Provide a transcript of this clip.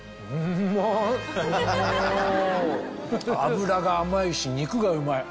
脂が甘いし肉がうまい。